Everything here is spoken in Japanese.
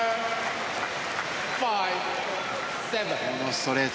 ストレート！